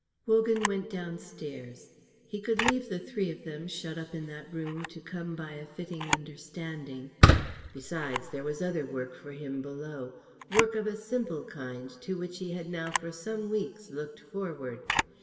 Wogan went downstairs. He could leave the three of them shut up in that room to come by a fitting understanding. Besides, there was other work for him below, work of a simple kind, to which he had now for some weeks looked forward.